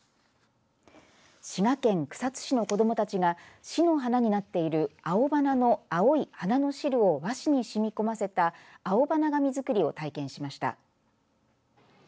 滋賀県草津市の子どもたちが市の花になっているアオバナの青い花の汁を和紙にしみこませた青花紙作りを体験しました。